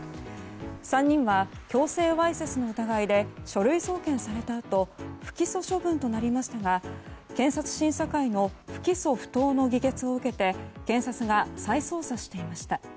３人は強制わいせつの疑いで書類送検されたあと不起訴処分となりましたが検察審査会の不起訴不当の議決を受けて検察が再捜査していました。